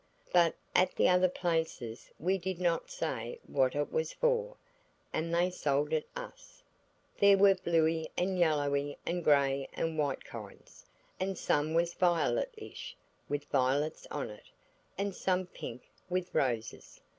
But at the other places we did not say what it was for, and they sold it us. There were bluey and yellowy and grey and white kinds, and some was violetish with violets on it, and some pink, with roses.